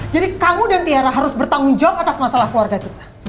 jadi kamu dan tiara harus bertanggung jawab atas masalah keluarga kita